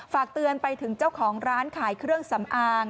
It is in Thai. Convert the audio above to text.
ฝากเตือนไปถึงเจ้าของร้านขายเครื่องสำอาง